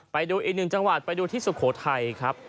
ไปดูอีกหนึ่งจังหวัดไปดูที่สุโขทัยครับ